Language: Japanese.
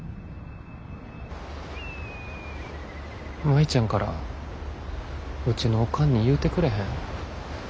舞ちゃんからうちのおかんに言うてくれへん？